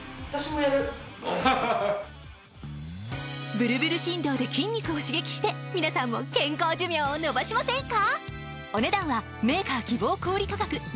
ブルブル振動で筋肉を刺激して皆さんも健康寿命を延ばしませんか？